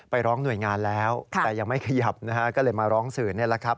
ไปร้องหน่วยงานแล้วแต่ยังไม่ขยับนะฮะก็เลยมาร้องสื่อนี่แหละครับ